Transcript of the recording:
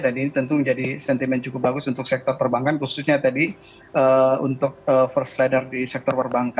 dan ini tentu menjadi sentimen cukup bagus untuk sektor perbankan khususnya tadi untuk first ladder di sektor perbankan